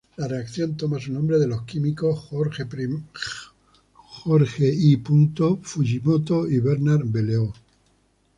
La reacción toma su nombre de los químicos George I. Fujimoto y Bernard Belleau.